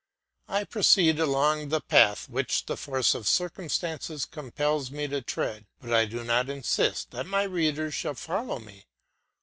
I proceed along the path which the force of circumstances compels me to tread, but I do not insist that my readers shall follow me.